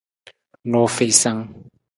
Nuufiisang.